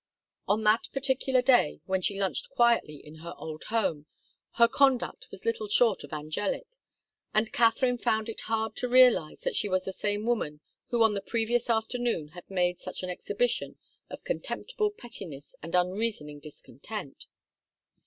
On that particular day, when she lunched quietly in her old home, her conduct was little short of angelic, and Katharine found it hard to realize that she was the same woman who on the previous afternoon had made such an exhibition of contemptible pettiness and unreasoning discontent.